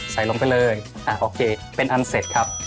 ใส่ลงไปเลยโอเคเป็นอันเสร็จครับ